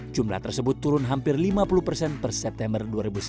jumlah tersebut turun hampir lima puluh persen per september dua ribu sembilan belas